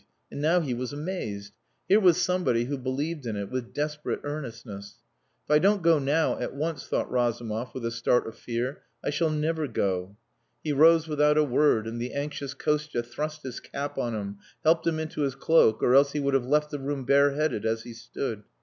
And now he was amazed! Here was somebody who believed in it with desperate earnestness. "If I don't go now, at once," thought Razumov, with a start of fear, "I shall never go." He rose without a word, and the anxious Kostia thrust his cap on him, helped him into his cloak, or else he would have left the room bareheaded as he stood.